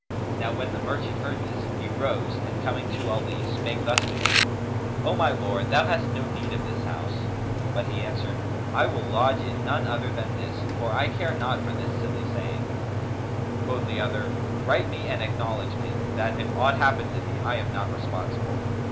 '" Now when the merchant heard this, he rose and coming to Ali, spake thus to him, "O my lord, thou hast no need of this house." But he answered, "I will lodge in none other than this; for I care naught for this silly saying." Quoth the other, "Write me an acknowledgment that, if aught happen to thee, I am not responsible."